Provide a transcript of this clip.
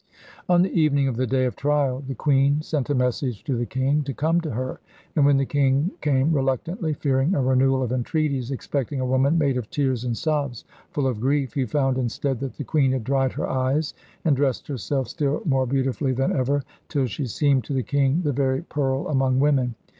On the evening of the day of trial the queen sent a message to the king to come to her; and when the king came reluctantly, fearing a renewal of entreaties, expecting a woman made of tears and sobs, full of grief, he found instead that the queen had dried her eyes and dressed herself still more beautifully than ever, till she seemed to the king the very pearl among women.